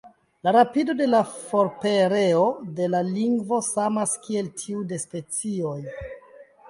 La rapido de la forpereo de la lingvo samas kiel tiu de specioj.